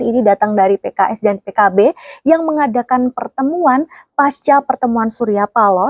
ini datang dari pks dan pkb yang mengadakan pertemuan pasca pertemuan surya paloh